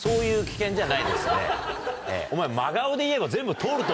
お前。